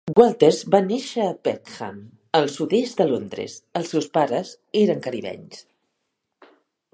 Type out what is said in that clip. Walters va néixer a Peckham, al sud-est de Londres, els seus pares eren caribenys.